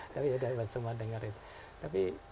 tapi ya udah semua dengerin tapi